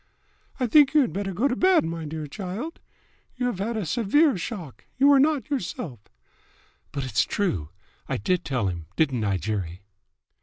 "I think you had better go to bed, my dear child. You have had a severe shock. You are not yourself." "But it's true! I did tell him, didn't I, Jerry?"